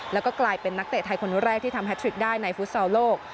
แล้วก็กลายเป็นนักเตะไทยคนแรกที่ทำแททริกได้ในฟุตซอลโลก